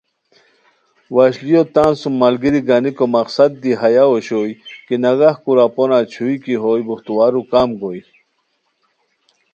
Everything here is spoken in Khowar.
وشلیو تان سُم ملگیری گانیکو مقصد دی ہیہ اوشوئے کی نگہ کورا پونہ چھوئے کی ہوئے بوہتووارو کم گوئے